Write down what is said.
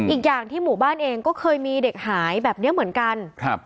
อีกอย่างที่หมู่บ้านเองก็เคยมีเด็กหายแบบเนี้ยเหมือนกันครับ